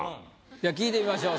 じゃあ聞いてみましょう。